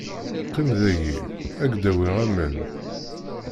Qqim dayi, ad k-d-awiɣ aman.